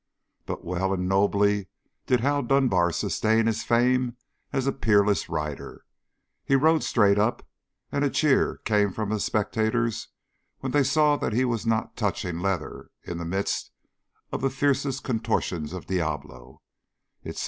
But well and nobly did Hal Dunbar sustain his fame as a peerless rider. He rode straight up, and a cheer came from the spectators when they saw that he was not touching leather in the midst of the fiercest contortions of Diablo.